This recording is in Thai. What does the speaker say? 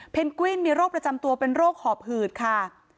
กวินมีโรคประจำตัวเป็นโรคหอบหืดค่ะ